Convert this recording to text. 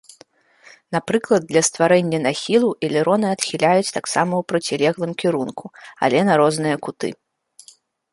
Напрыклад, для стварэння нахілу элероны адхіляюць таксама ў процілеглым кірунку, але на розныя куты.